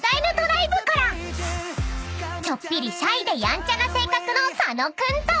［ちょっぴりシャイでやんちゃな性格の］